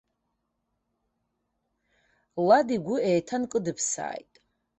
Лад игәы еиҭанкыдԥсааит.